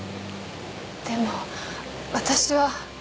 でも私は。